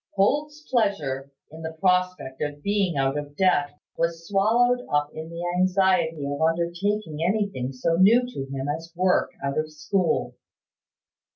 Holt's pleasure in the prospect of being out of debt was swallowed up in the anxiety of undertaking anything so new to him as work out of school.